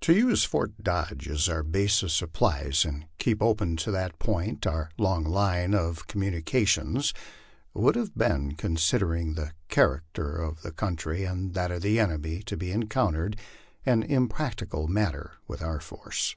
To use Fort Dodge as our base of supplies, and keep open to that point our long line of communications, would have been, considering the character of the country and that of the enemy to be encountered, an impracticable matter with our force.